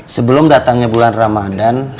sebelum datangnya bulan ramadan